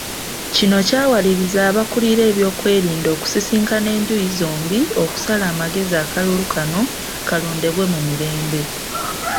Kino kyawaliriza abakulira eby'okwerinda okusisinkana enjuyi zombi okusala amagezi akalulu kano kalondebwe mu mirembe.